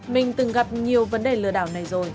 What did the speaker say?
mình từng gặp nhiều vấn đề lừa đảo này rồi